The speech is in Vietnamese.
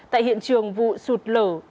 tại hiện trường vụ sụt lở